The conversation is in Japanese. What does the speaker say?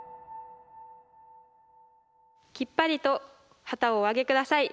きっぱりと旗をお上げ下さい。